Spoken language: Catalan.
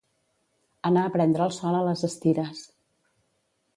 Anar a prendre el sol a les Estires.